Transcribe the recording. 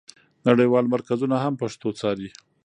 نړیوال مرکزونه هم پښتو څاري.